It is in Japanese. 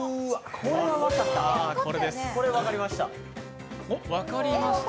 これ、分かりました。